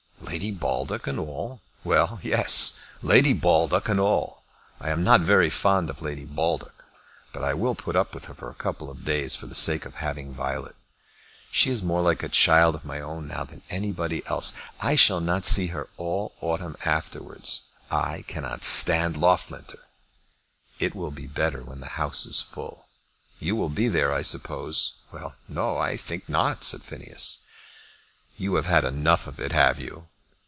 "Lady Baldock and all?" "Well, yes; Lady Baldock and all. I am not very fond of Lady Baldock, but I will put up with her for a couple of days for the sake of having Violet. She is more like a child of my own now than anybody else. I shall not see her all the autumn afterwards. I cannot stand Loughlinter." "It will be better when the house is full." "You will be there, I suppose?" "Well, no; I think not," said Phineas. "You have had enough of it, have you?"